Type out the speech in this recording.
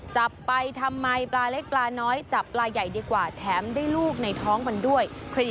จับไปทำไมปลาเล็กปลาน้อยจับปลาใหญ่ดีกว่าแถมได้ลูกในท้องมันด้วย